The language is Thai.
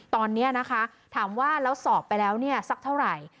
ตอนนี้ถามว่าสอบไปแล้วสักเท่าไหร่